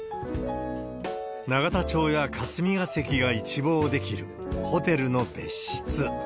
永田町や霞が関が一望できるホテルの別室。